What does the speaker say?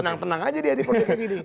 tenang tenang aja dia di perlengkapan ini